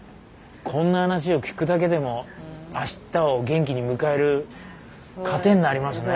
こんな話を聞くだけでもあしたを元気に迎える糧になりますね。